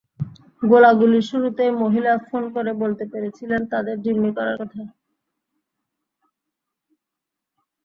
গোলাগুলির শুরুতেই মালিহা ফোন করে বলতে পেরেছিলেন তাঁদের জিম্মি করার কথা।